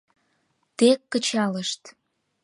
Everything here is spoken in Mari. Тек кычалышт!